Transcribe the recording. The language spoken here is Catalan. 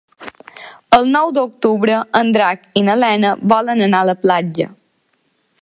El nou d'octubre en Drac i na Lena volen anar a la platja.